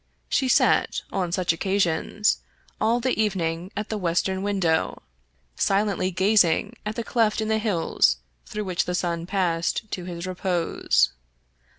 She sat, on such occasions, all the evening at the western window, silently gazing at the cleft in the hills through which the sun passed to his repose.